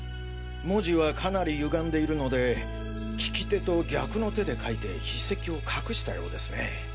文字はかなりゆがんでいるので利き手と逆の手で書いて筆跡を隠したようですね。